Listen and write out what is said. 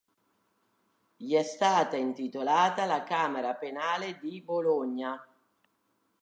Gli è stata intitolata la camera penale di Bologna.